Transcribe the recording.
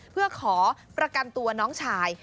เพื่อขอประกันตัวน้องชาย